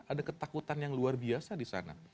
ada ketakutan yang luar biasa di sana